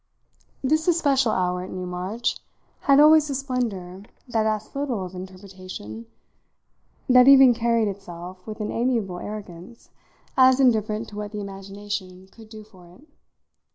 This especial hour, at Newmarch, had always a splendour that asked little of interpretation, that even carried itself, with an amiable arrogance, as indifferent to what the imagination could do for it.